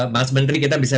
mas menteri kita bisa